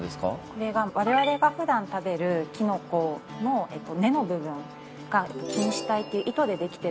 これはわれわれが普段食べるキノコの根の部分が菌糸体という糸でできてる部分。